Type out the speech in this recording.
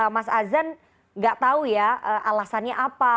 mas adzan gak tahu ya alasannya apa